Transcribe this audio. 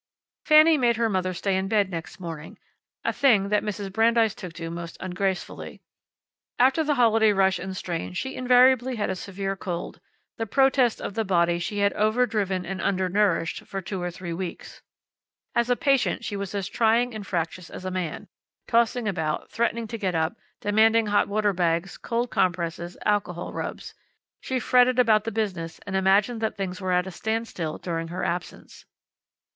Fanny made her mother stay in bed next morning, a thing that Mrs. Brandeis took to most ungracefully. After the holiday rush and strain she invariably had a severe cold, the protest of the body she had over driven and under nourished for two or three weeks. As a patient she was as trying and fractious as a man, tossing about, threatening to get up, demanding hot water bags, cold compresses, alcohol rubs. She fretted about the business, and imagined that things were at a stand still during her absence.